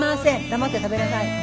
黙って食べなさい。